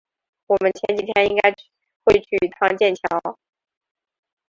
我们前几天应该会去一趟剑桥